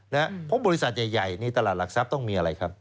เพราะบริษัทใหญ่ในตลาดหลักทรัพย์ต้องมีอะไรครับ